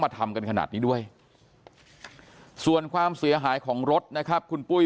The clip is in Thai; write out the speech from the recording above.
ทำกันขนาดนี้ด้วยส่วนความเสียหายของรถนะครับคุณปุ้ย